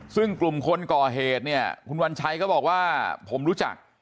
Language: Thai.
ซึ่งกลุ่มคนก่อเหตุเนี่ยคุณวัญชัยก็บอกว่าผมรู้จัก